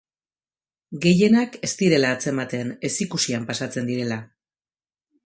Gehienak ez direla atzematen, ez-ikusian pasatzen direla.